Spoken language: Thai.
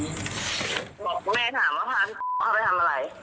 บอกแม่ถามว่าพ่อพ่อไปทำอะไร